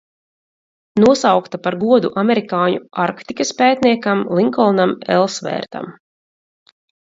Nosaukta par godu amerikāņu Arktikas pētniekam Linkolnam Elsvērtam.